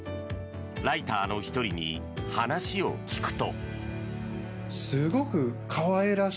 ライターの１人に話を聞くと。